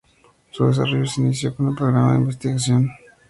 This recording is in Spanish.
Su desarrollo se inició con el programa de investigación Aliz-E